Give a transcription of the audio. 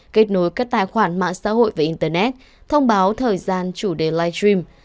kết nối các tài khoản mạng xã hội và internet thông báo thời gian chủ đề live stream